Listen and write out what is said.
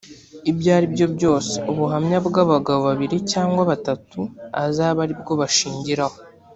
ibyo ari byo byose; ubuhamya bw’abagabo babiri cyangwa batatu azabe ari bwo bashingiraho